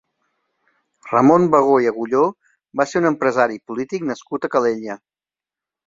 Ramon Bagó i Agulló va ser un empresari i polític nascut a Calella.